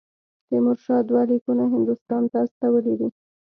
تیمورشاه دوه لیکونه هندوستان ته استولي دي.